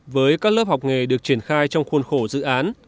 với các lớp học nghề được triển khai trong khuôn khổ dự án